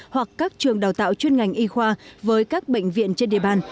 hoặc các trường đào tạo chuyên ngành y khoa với các bệnh viện trên địa bàn